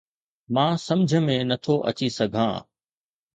مان سمجهه ۾ نٿو اچي سگهان